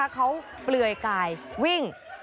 เขาเปลือยกายวิ่ง